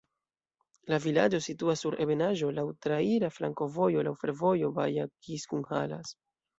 La vilaĝo situas sur ebenaĵo, laŭ traira flankovojo, laŭ fervojo Baja-Kiskunhalas.